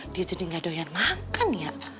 dia jadi gak doyan makan ya